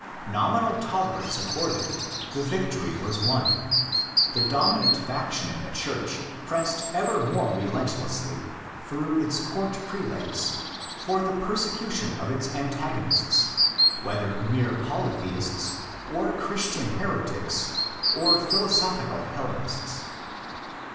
Nominal tolerance accorded, the victory was won. The dominant faction in the Church pressed ever more relentlessly, through its court prelates, for the persecution of its antagonists, whether mere polytheists or Christian heretics or philosophical Hellenists.